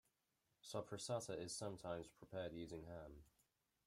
Soppressata is sometimes prepared using ham.